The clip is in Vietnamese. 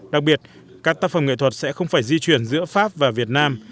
đặc biệt các tác phẩm nghệ thuật sẽ không phải di chuyển giữa pháp và việt nam